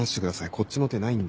こっちの手ないんで。